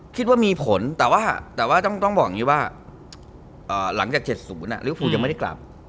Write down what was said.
คิดว่ามีผลแต่ว่าต้องบอกอย่างนี้ว่าหลังจาก๗๐อ่ะลิฟท์ภูมิยังไม่ได้กลับ